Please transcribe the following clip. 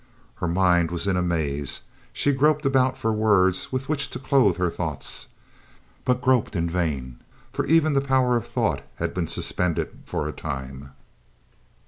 Her mind was in a maze, she groped about for words with which to clothe her thoughts, but groped in vain, for even the power of thought had been suspended for a time.